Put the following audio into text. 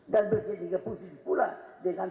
dan bersih menjadi positif pula dengan